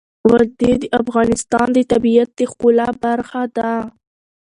وادي د افغانستان د طبیعت د ښکلا برخه ده.